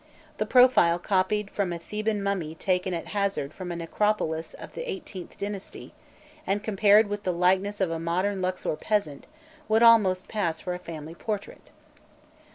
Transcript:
The profile copied from a Theban mummy taken at hazard from a necropolis of the XVIIIth dynasty, and compared with the likeness of a modern Luxor peasant, would almost pass for a family portrait.